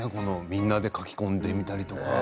みんなで書き込んでみたりとか。